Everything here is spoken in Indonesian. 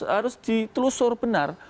harus ditelusur benar